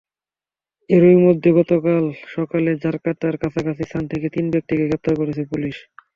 এরই মধ্যে, গতকাল সকালে জাকার্তার কাছাকাছি স্থান থেকে তিন ব্যক্তিকে গ্রেপ্তার করেছে পুলিশ।